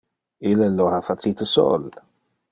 Ille lo ha facite sol.